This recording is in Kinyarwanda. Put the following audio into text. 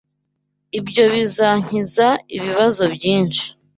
Ibyo bizankiza ibibazo byinshi.